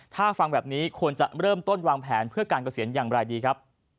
ถ้าฟังแบบนี้ควรจะเริ่มต้นวางแผนเพื่อการเกษียณอย่างไรดีครับ